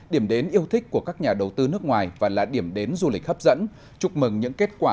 điểm đến yêu thích của các nhà đầu tư nước ngoài và là điểm đến du lịch hấp dẫn